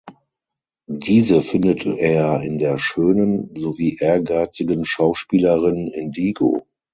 Diese findet er in der schönen sowie ehrgeizigen Schauspielerin Indigo.